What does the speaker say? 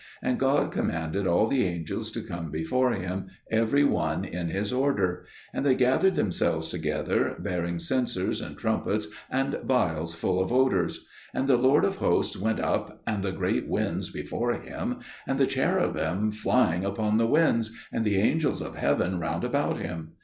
And God commanded all the angels to come before Him, every one in his order; and they gathered themselves together, bearing censers and trumpets and vials full of odours. And the Lord of Hosts went up, and the great winds before Him, and the Cherubim flying upon the winds, and the angels of heaven round about Him.